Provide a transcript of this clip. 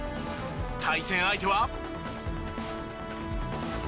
対戦相手は。